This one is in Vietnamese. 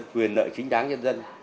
quyền lợi chính đáng nhân dân